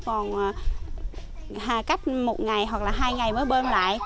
còn cách một ngày hoặc là hai ngày mới bơm lại